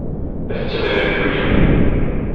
La tettemlelluyem.